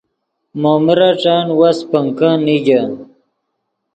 مو میرݯن وس پنکے نیگے